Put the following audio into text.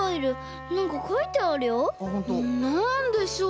なんでしょう？